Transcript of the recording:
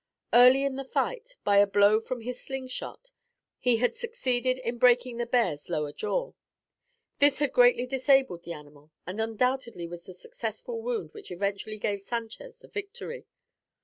Early in the fight, by a blow from his slung shot, he had succeeded in breaking the bear's lower jaw. This had greatly disabled the animal and undoubtedly was the successful wound which eventually gave Sanchez the victory.